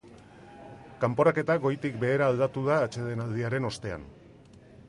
Kanporaketa goitik behera aldatu da atsedenaldiaren ostean.